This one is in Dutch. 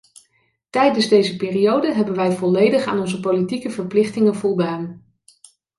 Tijdens deze periode hebben wij volledig aan onze politieke verplichtingen voldaan.